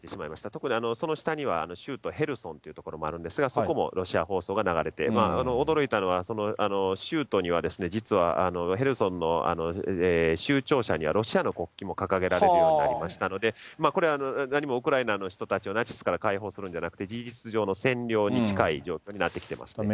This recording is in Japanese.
特にその下には、州都ヘルソンという所もあるんですが、そこもロシア放送が流れて、驚いたのは、その州都には、実はヘルソンの州庁舎にはロシアの国旗も掲げられるようになりましたので、これは何もウクライナ人たちをナチスから解放するんじゃなくて、事実上の占領に近い状態になってきてますね。